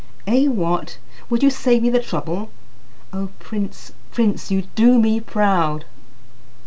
"Eh, what? Would you save me the trouble? O prince, prince, you do me proud!"